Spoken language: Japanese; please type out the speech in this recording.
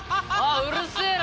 うるせぇな！